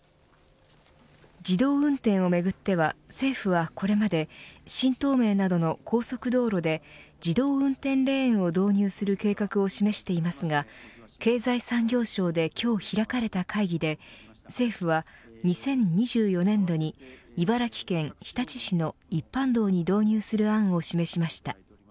自動運転をめぐっては政府はこれまで新東名などの高速道路で自動運転レーンを導入する計画を示していますが経済産業省で今日開かれた会議で政府は２０２４年度に茨城県日立市の一般道に導入する案を示しました。